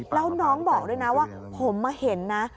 แล้วน้องบอกด้วยนะว่าผมมาเห็นนะ